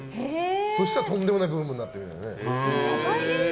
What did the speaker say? そしたらとんでもないブームになって。